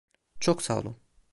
Çok sağ olun.